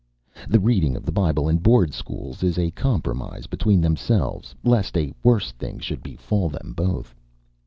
The reading of the Bible in Board schools is a compromise between themselves, lest a worse thing should befall them both.